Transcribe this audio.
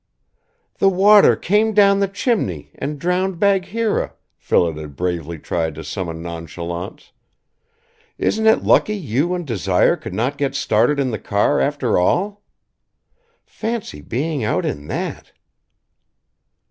"The water came down the chimney and drowned Bagheera," Phillida bravely tried to summon nonchalance. "Isn't it lucky you and Desire could not get started in the car, after all? Fancy being out in that!"